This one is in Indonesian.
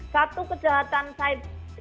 satu kejahatan cyber